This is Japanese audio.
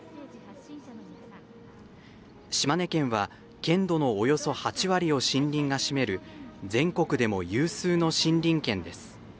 島根県は県土のおよそ８割を森林が占める全国でも有数の森林県です。